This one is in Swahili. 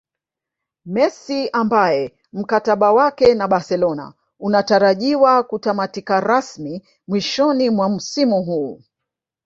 Messi ambaye mkataba wake na Barcelona unatarajiwa kutamatika rasmi mwishoni mwa msimu huu